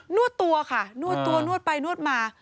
วดตัวค่ะนวดตัวนวดไปนวดมา